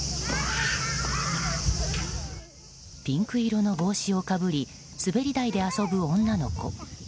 ピンク色の帽子をかぶり滑り台で遊ぶ女の子。